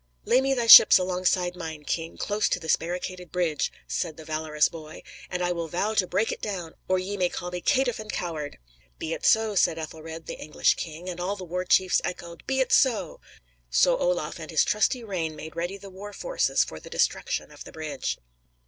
"Lay me thy ships alongside mine, king, close to this barricaded bridge," said the valorous boy, "and I will vow to break it down, or ye may call me caitiff and coward." "Be it so," said Ethelred, the English king; and all the war chiefs echoed: "Be it so!" So Olaf and his trusty Rane made ready the war forces for the destruction of the bridge.